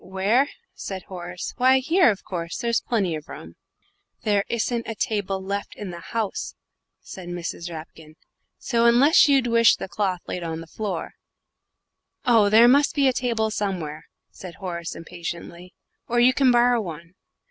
"Where?" said Horace. "Why, here, of course. There's plenty of room." "There isn't a table left in the house," said Mrs. Rapkin; "so, unless you'd wish the cloth laid on the floor " "Oh, there must be a table somewhere," said Horace, impatiently, "or you can borrow one.